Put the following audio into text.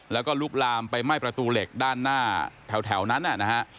แล้วก็ลุกลามไปไหม้ประตูเหล็กด้านหน้าแถวนั้นนะฮะ